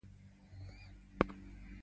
لوستې میندې د ماشوم پر ودې ټینګار کوي.